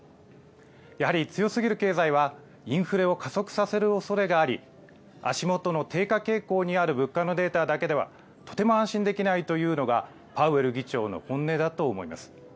やはり強すぎる経済は、インフレを加速させるおそれがあり、あしもとの低下傾向にある物価のデータだけでは、とても安心できないというのが、パウエル議長の本音だと思います。